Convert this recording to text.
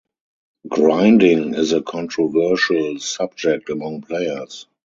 Grinding is a controversial subject among players.